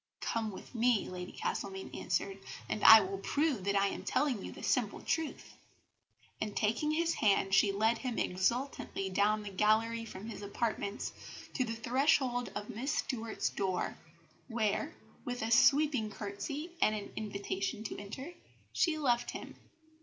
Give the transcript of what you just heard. "Come with me," Lady Castlemaine answered, "and I will prove that I am telling you the simple truth;" and taking his hand she led him exultantly down the gallery from his apartments to the threshold of Miss Stuart's door, where, with a sweeping curtsy and an invitation to enter, she left him.